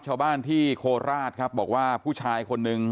ชาวบ้านที่โคราชครับบอกว่าผู้ชายคนนึง